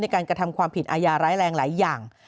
การกระทำความผิดอายาร้ายแรงหลายอย่าง